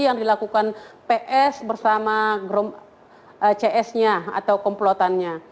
yang dilakukan ps bersama grup cs nya atau komplotannya